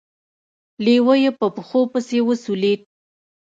لېوه يې په پښو پسې وسولېد.